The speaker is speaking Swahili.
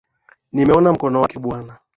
Nimeona mkono wake bwana.